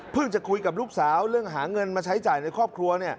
จะคุยกับลูกสาวเรื่องหาเงินมาใช้จ่ายในครอบครัว